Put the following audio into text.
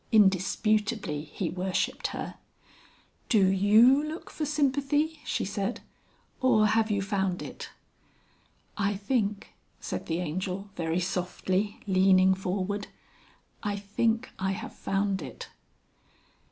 (Indisputably he worshipped her.) "Do you look for sympathy?" she said. "Or have you found it?" "I think," said the Angel, very softly, leaning forward, "I think I have found it."